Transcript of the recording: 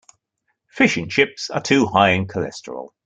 Fish and chips are too high in cholesterol.